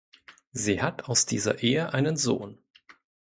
Sie hat aus dieser Ehe einen Sohn.